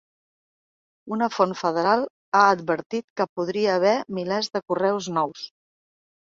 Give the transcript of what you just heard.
Una font federal ha advertit que podria haver milers de correus nous.